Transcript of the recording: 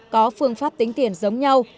có phương pháp tính tiền giống nhau